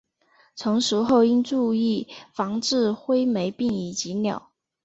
成熟后应注意防治灰霉病以及鸟。